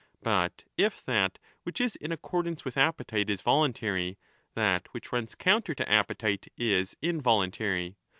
But if that which is in accordance with 20 appetite is voluntary, that which runs counter to appetite is involuntary.